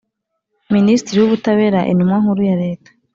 Ministri w Ubutabera Intumwa Nkuru ya Leta